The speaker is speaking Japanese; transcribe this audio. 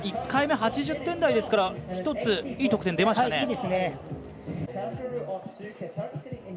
１回目、８０点台ですから１ついい得点出ましたね。